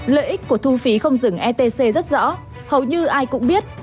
lợi ích của thu phí không dừng etc rất rõ hầu như ai cũng biết